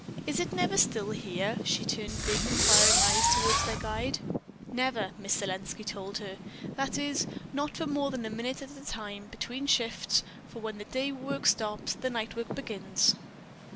"Is it never still here?" she turned big inquiring eyes toward their guide. "Never," Miss Selenski told her. "That is, not for more than a minute at a time, between shifts, for when the day work stops the night work begins."